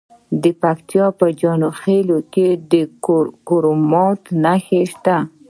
د پکتیا په جاني خیل کې د کرومایټ نښې شته.